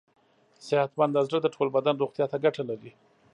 صحتمند زړه د ټول بدن روغتیا ته ګټه لري.